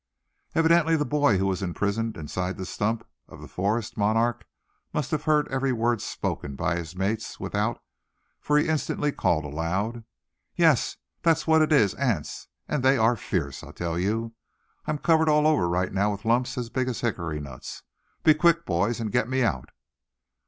Evidently the boy who was imprisoned inside the stump of the forest monarch must have heard every word spoken by his mates, without, for he instantly called aloud: "Yes, that's what it is, ants, and they are fierce, I tell you. I'm covered all over right now with lumps as big as hickory nuts. Be quick, boys, and get me out!"